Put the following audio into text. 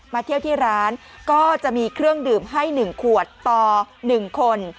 เที่ยวที่ร้านก็จะมีเครื่องดื่มให้๑ขวดต่อ๑คน